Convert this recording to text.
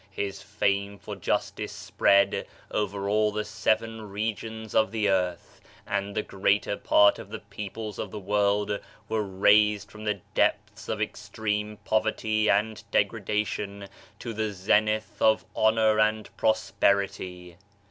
His fame for justice spread over all the seven regions of the earth, and the greater part of the peoples of the world were raised from the depths of extreme povetry and degradation to the zenith of honor and prosperity.